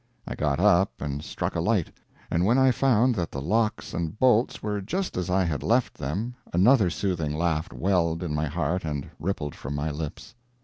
I got up and struck a light; and when I found that the locks and bolts were just as I had left them, another soothing laugh welled in my heart and rippled from my lips.